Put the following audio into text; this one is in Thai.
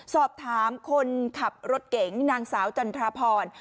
สอบถามคนขับรถเก๋งนางสาวจันทราพร